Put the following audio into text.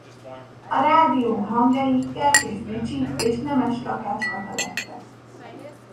A rádió hangjai Kertész Ricsi és Nemes-Takách Kata lettek.